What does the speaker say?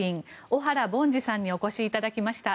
小原凡司さんにお越しいただきました。